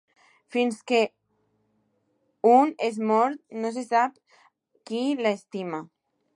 Fins que un és mort no se sap qui l'estima.